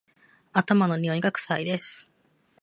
頭のにおいが臭いです